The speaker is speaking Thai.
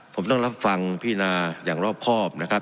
ผมต้องรับฟังพินาอย่างรอบครอบนะครับ